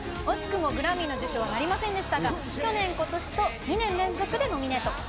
惜しくもグラミーの受賞はなりませんでしたが去年、ことしと２年連続でノミネート。